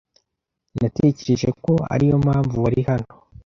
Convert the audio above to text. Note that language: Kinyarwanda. Natekereje ko ariyo mpamvu wari hano.